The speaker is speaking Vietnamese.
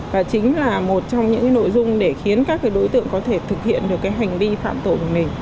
và chính là một trong những cái nội dung để khiến các cái đối tượng có thể thực hiện được cái hành vi phạm tội của mình